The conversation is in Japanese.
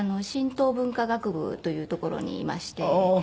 神道文化学部というところにいまして。